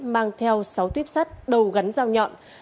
mang theo sáu tuyếp sắt đầu gắn dao nhọn